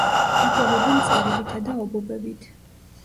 იკვებება მწერებითა და ობობებით.